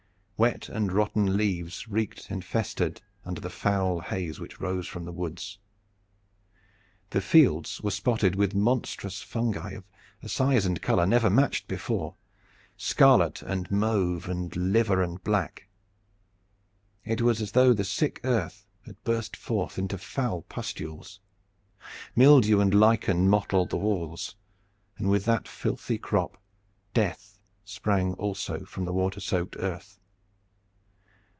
Wet and rotten leaves reeked and festered under the foul haze which rose from the woods. The fields were spotted with monstrous fungi of a size and color never matched before scarlet and mauve and liver and black. It was as though the sick earth had burst into foul pustules; mildew and lichen mottled the walls, and with that filthy crop Death sprang also from the water soaked earth.